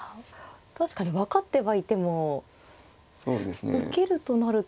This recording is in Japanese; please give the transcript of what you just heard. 確かに分かってはいても受けるとなると。